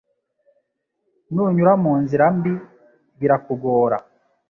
nunyura mu nzira mbi birakugora.